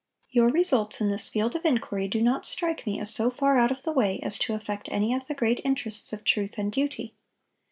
"Your results in this field of inquiry do not strike me as so far out of the way as to affect any of the great interests of truth and duty."